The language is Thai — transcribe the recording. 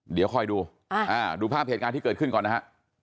เดี๋ยวคอยดูดูภาพเหตุการณ์ที่เกิดขึ้นก่อนนะฮะ